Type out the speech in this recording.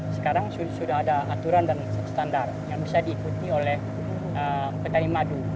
sekarang sudah ada aturan dan standar yang bisa diikuti oleh kedai madu